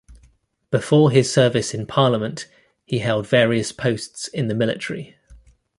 Before his service in Parliament, he held various posts in the military.